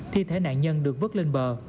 thi thể nạn nhân được vứt lên bờ